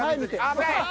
危ない！